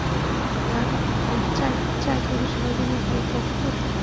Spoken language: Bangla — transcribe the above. তার ফলে এর চারপাশে তৈরি হয় বক্রতা।